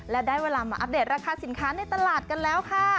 และได้เวลามาอัปเดตราคาสินค้าในตลาดกันแล้วค่ะ